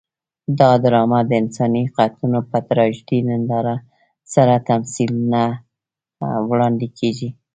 دا ډرامه د انساني قتلونو په تراژیدي نندارو سره تمثیل ته وړاندې کېږي.